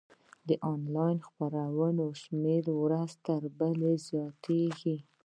د انلاین خپرونو شمېره ورځ تر بلې زیاتیږي.